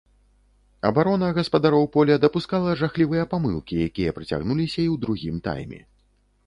Абарона гаспадароў поля дапускала жахлівыя памылкі, якія працягнуліся і ў другім тайме.